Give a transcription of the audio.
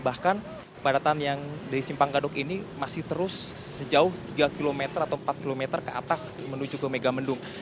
bahkan kepadatan yang dari simpang gadok ini masih terus sejauh tiga km atau empat km ke atas menuju ke megamendung